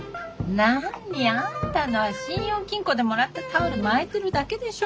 何あんたのは信用金庫でもらったタオル巻いてるだけでしょ。